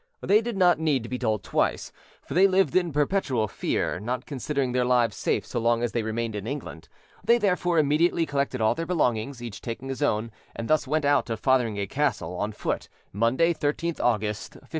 They did not need to be told twice; for they lived in perpetual fear, not considering their lives safe so long as they remained in England. They therefore immediately collected all their belongings, each taking his own, and thus went out of Fotheringay Castle on foot, Monday, 13th August, 1587.